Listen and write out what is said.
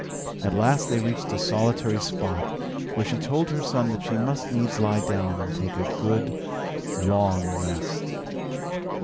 At last they reached a solitary spot, where she told her son that she must needs lie down, and take a good, long rest.